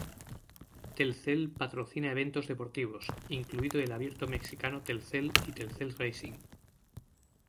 Telcel patrocina eventos deportivos, incluido el Abierto Mexicano Telcel y Telcel Racing.